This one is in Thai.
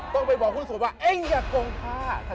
ต้องไปบอกคุณสมศพว่าเอ็งอย่ากงข้า